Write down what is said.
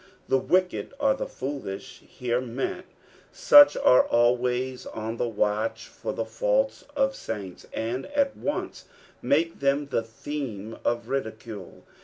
The wicked are the foolish here meant : such are always on the watch for the faults of snintB, and at onre make them (he theroe of ridicule.